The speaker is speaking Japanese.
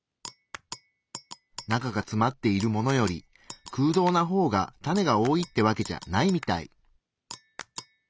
中がつまっているものより空洞なほうがタネが多いってわけじゃないみたい。